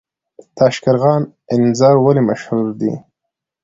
تاشقرغان انځر ولې مشهور دي؟